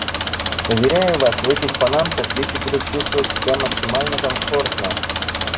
Уверяю вас, в этих панамках дети будут чувствовать себя максимально комфортно.